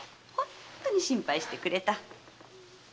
本当に心配してくれた。